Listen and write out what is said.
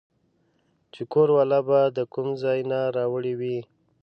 چې کور والا به د کوم ځاے نه راوړې وې